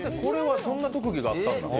そんな特技があったんだ。